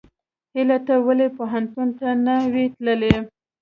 هیلۍ ته ولې پوهنتون ته نه وې تللې؟